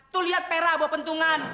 tuh liat pera abu pentungan